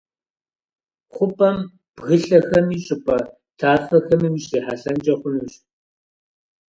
ХъупӀэм бгылъэхэми щӀыпӀэ тафэхэми ущрихьэлӀэнкӀэ хъунущ.